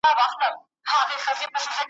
له خالقه رڼا اخلم ورځي شپو ته ورکومه ,